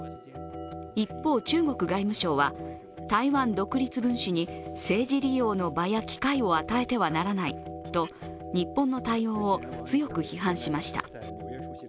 一方、中国外務省は台湾独立分子に政治利用の場や機会を与えてはならないと日本の対応を強く批判しました。